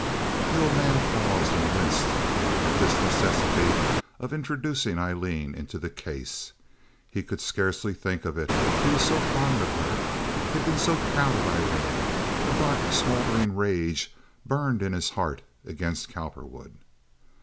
The old man paused and winced at this necessity of introducing Aileen into the case. He could scarcely think of it—he was so fond of her. He had been so proud of Aileen. A dark, smoldering rage burned in his heart against Cowperwood.